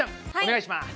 お願いします。